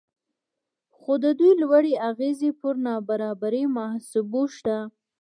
خو د دوی لوړې اغیزې پر نابرابرۍ محاسبو شته